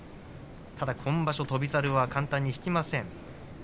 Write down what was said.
ただ今場所、翔猿は簡単に引きません。